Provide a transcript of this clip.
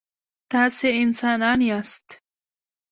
تاسي انسانان یاست.